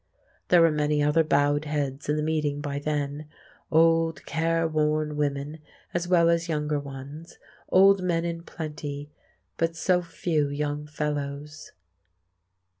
There were many other bowed heads in the meeting by then—old, careworn women as well as younger ones, old men in plenty, but so few young fellows.